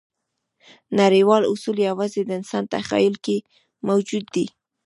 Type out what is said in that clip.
نړیوال اصول یواځې د انسان تخیل کې موجود دي.